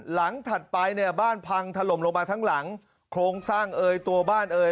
ถัดไปเนี่ยบ้านพังถล่มลงมาทั้งหลังโครงสร้างเอ่ยตัวบ้านเอ่ย